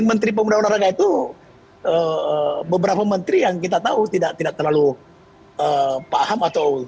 menteri pemuda olahraga itu beberapa menteri yang kita tahu tidak terlalu paham atau